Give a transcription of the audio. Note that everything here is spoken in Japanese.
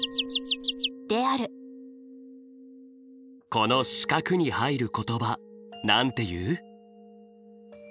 この四角に入る言葉なんて言う？